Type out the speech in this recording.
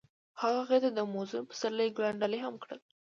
هغه هغې ته د موزون پسرلی ګلان ډالۍ هم کړل.